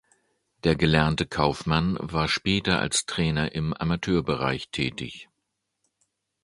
Der gelernte Kaufmann war später als Trainer im Amateurbereich tätig.